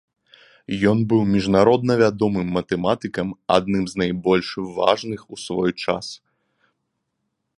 Ён быў міжнародна вядомым матэматыкам, адным з найбольш важных у свой час.